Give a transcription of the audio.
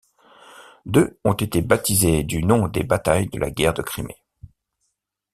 Deux ont été baptisés du nom des batailles de la guerre de Crimée.